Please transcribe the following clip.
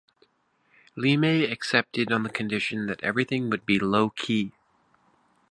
Lemay accepted on the condition that everything would be low key.